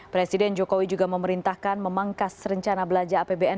presiden jokowi juga memerintahkan memangkas rencana belanja apbn